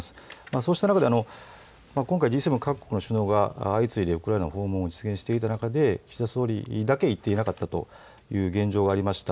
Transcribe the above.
そうした中で今回Ｇ７各国の首脳が相次いでウクライナ訪問を実現していた中で岸田総理だけ行っていなかったという現場がありました。